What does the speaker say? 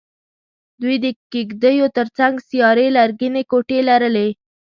دوی د کېږدیو تر څنګ سیارې لرګینې کوټې لرلې.